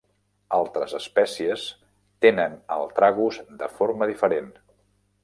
Altres espècies tenen el tragus de forma diferent.